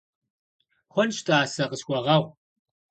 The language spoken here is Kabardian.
Хъунщ, тӀасэ, къысхуэгъэгъу.